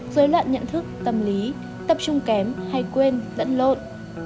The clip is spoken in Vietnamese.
dối loạn nhận thức tâm lý tập trung kém hay quên lẫn lộn